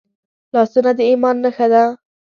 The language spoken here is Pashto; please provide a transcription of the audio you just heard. لاسونه د ایمان نښه ده